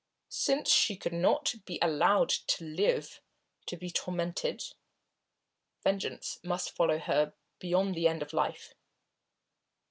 Since she could not be allowed to live to be tormented, vengeance must follow her beyond the end of life.